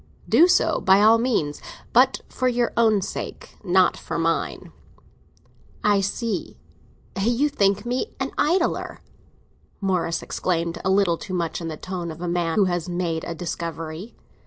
"Do so by all means—but for your own sake, not for mine." "I see; you think I am an idler!" Morris exclaimed, a little too much in the tone of a man who has made a discovery.